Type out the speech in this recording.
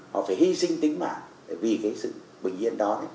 họ phải hy sinh tính mạng vì cái sự bình yên đó